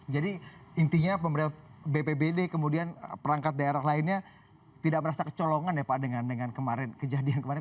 jadi intinya bpbd kemudian perangkat daerah lainnya tidak merasa kecolongan ya pak dengan kejadian kemarin